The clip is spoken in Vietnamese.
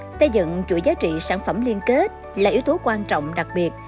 xây dựng chuỗi giá trị sản phẩm liên kết là yếu tố quan trọng đặc biệt